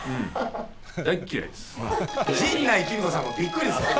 陣内貴美子さんもびっくりですよね。